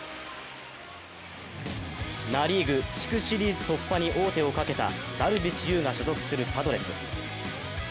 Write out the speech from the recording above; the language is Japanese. ナ・リーグ地区シリーズ突破に王手をかけてダルビッシュ有が所属するパドレス。